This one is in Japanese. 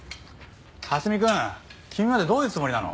蓮見くん君までどういうつもりなの？